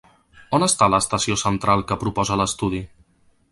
On està l'estació central que proposa l'estudi?